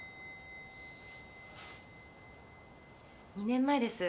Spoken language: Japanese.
２年前です